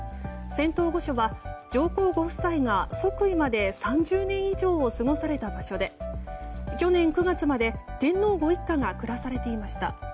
仙洞御所は上皇ご夫妻が即位まで３０年以上を過ごされた場所で去年９月まで天皇ご一家が暮らされていました。